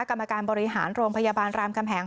กรรมการบริหารโรงพยาบาลรามกำแหง